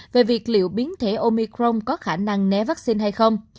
về việc liệu biến thể omicron có khả năng né vaccine hay không